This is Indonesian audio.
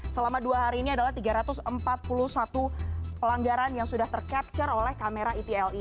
selama dua hari ini adalah tiga ratus empat puluh satu pelanggaran yang sudah tercapture oleh kamera etle